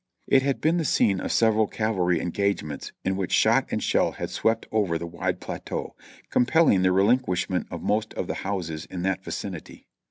It had been the scene of several cavalry engagements in which shot and shell had swept over the wide plateau, compelling the relin quishment of most of the houses in that vicinity.